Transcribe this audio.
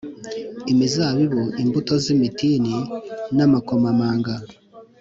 imizabibu, imbuto z’imitini n’amakomamanga,